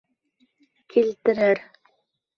Килтерер.